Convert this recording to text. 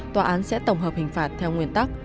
tòa án sẽ tổng hợp hình phạt theo nguyên tắc